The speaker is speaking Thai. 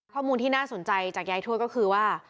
ข้อมูลที่น่าสนใจจากยายทวดก็คือว่า